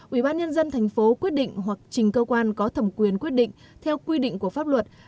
ủy ban nhân dân thành phố quyết định hoặc trình cơ quan có thẩm quyền quyết định theo quy định của pháp luật